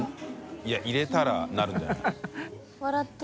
い入れたらなるんじゃない？